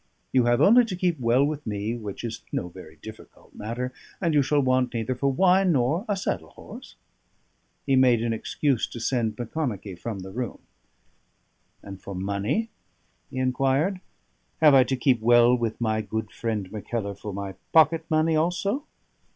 You have only to keep well with me, which is no very difficult matter, and you shall want neither for wine nor a saddle horse." He made an excuse to send Macconochie from the room. "And for money?" he inquired. "Have I to keep well with my good friend Mackellar for my pocket money also?